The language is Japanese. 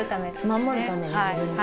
守るために自分の体。